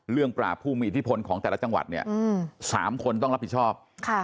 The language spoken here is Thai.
เรื่องร่ามหลอดผู้มีอิทธิพลของแต่ละจังหวัด